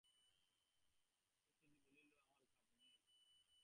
শচীশ বলিল, আমার কাজ আছে।